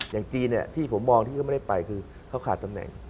อย่างจีนที่ผมมองที่เขาไม่ได้ไปคือเขาขาดตำแหน่ง